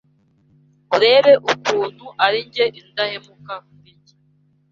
urebe ukuntu ari indahemuka kuri jye